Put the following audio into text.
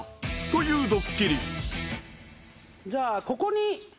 じゃあここに。